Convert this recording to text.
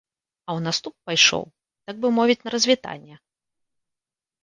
А ў наступ пайшоў, так бы мовіць, на развітанне.